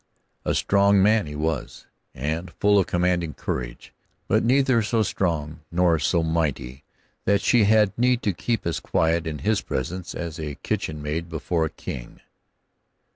A strong man he was, and full of commanding courage, but neither so strong nor so mighty that she had need to keep as quiet in his presence as a kitchen maid before a king.